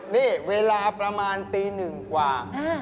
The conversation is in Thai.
นี่เวลาประมาณตีหนึ่งกว่า